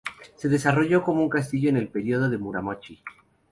Se desarrolló como un castillo en el período Muromachi.